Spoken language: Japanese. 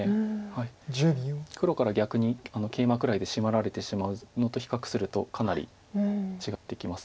黒から逆にケイマくらいでシマられてしまうのと比較するとかなり違ってきます。